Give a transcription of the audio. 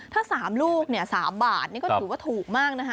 ถ้า๓ลูก๓บาทนี่ก็ถือว่าถูกมากนะคะ